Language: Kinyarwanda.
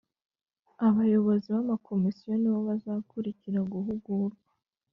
Abayobozi b’ amakomisiyo nibo bazakurikira guhugurwa